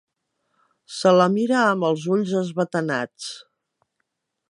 Se la mira amb els ulls esbatanats.